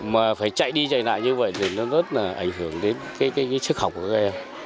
mà phải chạy đi chạy lại như vậy thì nó rất là ảnh hưởng đến cái chức học của các em